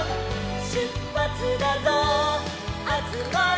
「しゅっぱつだぞあつまれ」